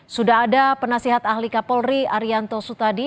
sudah ada penasihat ahli kapolri arianto sutadi